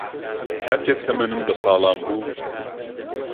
کاتێک تەمەنم دە ساڵان بوو